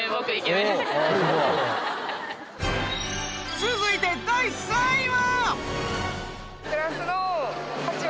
続いて第３位は？